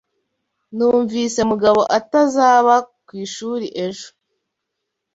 Numvise Mugabo atazaba ku ishuri ejo.